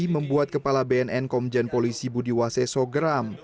membuat kepala bnn komjen polisi budiwaseso geram